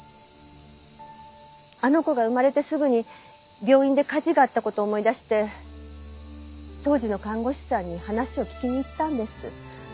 あの子が産まれてすぐに病院で火事があった事を思い出して当時の看護師さんに話を聞きに行ったんです。